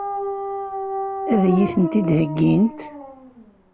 Ad iyi-tent-id-heggint?